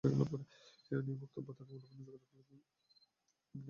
এ নিয়ে বক্তব্য জানতে তাঁকে মুঠোফোনে যোগাযোগ করলে তিনি ফোন কেটে দেন।